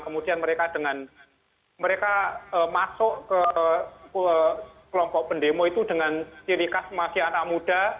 kemudian mereka dengan mereka masuk ke kelompok pendemo itu dengan ciri khas masih anak muda